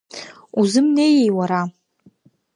Узымнеии уара?